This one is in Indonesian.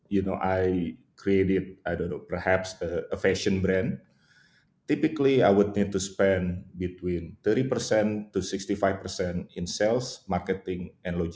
dan ketika anda membicarakan pemilik jenis ini seperti yang saya pahami ini adalah